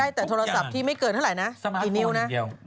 ได้แต่โทรศัพที่ไม่เกิดเท่าไหร่นะสมาร์ทโฟนหนึ่งเดียว